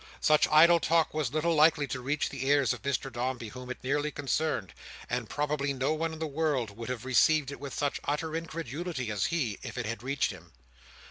Such idle talk was little likely to reach the ears of Mr Dombey, whom it nearly concerned; and probably no one in the world would have received it with such utter incredulity as he, if it had reached him.